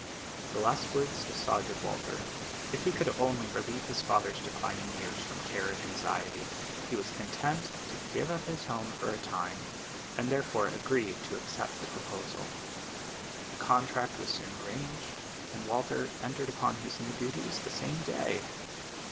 The last words decided Walter. If he could only relieve his father's declining years from care and anxiety, he was content to give up his home for a time, and therefore agreed to accept the proposal. The contract was soon arranged, and Walter entered upon his new duties the same day.